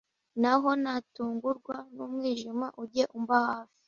Naho natungurwa n’umwijima ujye umba hafi